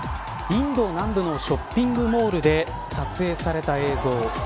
インド南部のショッピングモールで撮影された映像。